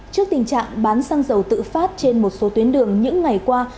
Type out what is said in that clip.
trước tình trạng bán xăng dầu tự phát trên một số tuyến đường những ngày qua